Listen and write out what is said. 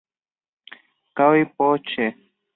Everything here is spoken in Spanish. Kai Po Che!